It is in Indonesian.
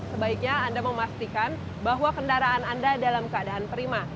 sebaiknya anda memastikan bahwa kendaraan anda dalam keadaan prima